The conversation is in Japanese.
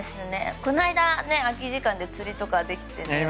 この間、空き時間で釣りとかできて。